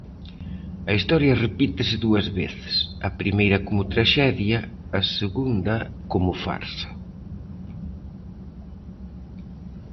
A historia repítese dúas veces: a primeira como traxedia, a segunda como farsa.